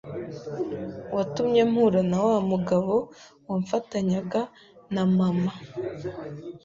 watumye mpura na wa mu gabo wamfatanyaga na mama